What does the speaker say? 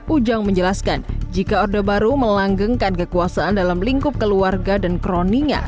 ujang menjelaskan jika orde baru melanggengkan kekuasaan dalam lingkup keluarga dan kroninya